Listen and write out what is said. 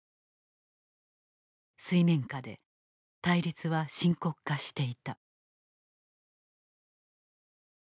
水面下で対立は深刻化していた。